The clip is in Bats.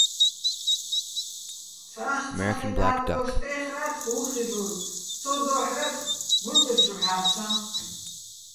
ცახცახა́ჲნო ა́კდოშ სტე́ხრა́თხ, უხ ხილ'ურ, ცო დო́ჰ̦რათხო ბულყი ჩუ ჰ̦ა́ფსაჼ.